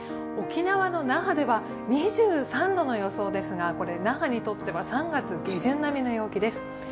沖縄の那覇では２３度の予想ですが那覇にとっては３月下旬並みの陽気です。